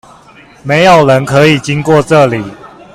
沒有人可以經過這裡！